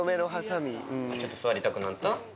ちょっと座りたくなった？